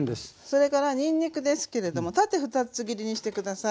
それからにんにくですけれども縦２つ切りにして下さい。